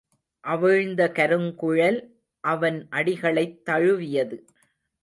அவிழ்ந்த கருங்குழல் அவன் அடிகளைத் தழுவியது.